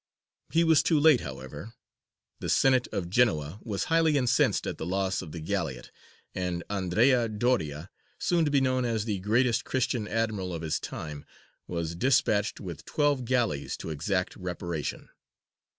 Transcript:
He was too late, however. The Senate of Genoa was highly incensed at the loss of the galleot, and Andrea Doria, soon to be known as the greatest Christian admiral of his time, was despatched with twelve galleys to exact reparation.